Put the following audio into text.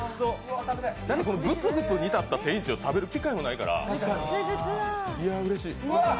ぐつぐつ煮立った天一を食べる機会もないから、うれしい。